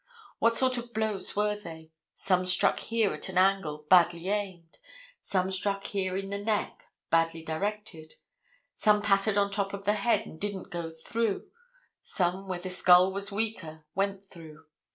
What sort of blows were they? Some struck here at an angle, badly aimed; some struck here in the neck, badly directed; some pattered on top of the head and didn't go through; some, where the skull was weaker, went through.